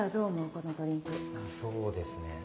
このドリンクそうですね